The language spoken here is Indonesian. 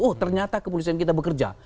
oh ternyata kepolisian kita bekerja